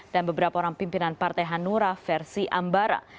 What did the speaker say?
dan beberapa orang pimpinan partai hanura versi ambara